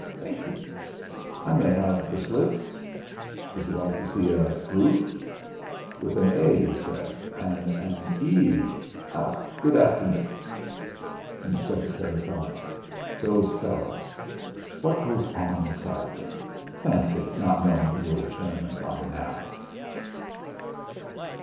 Thank you. I may have the slips? Would you like to see a proof? With an '.' you said oh! an 'e.' Good afternoon!" And the secretary thought: '.hose fellows, what does go on inside them? Fancy not knowing the old chairman by now!'...